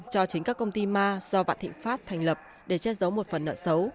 cho chính các công ty ma do vạn thị phát thành lập để chết giấu một phần nợ xấu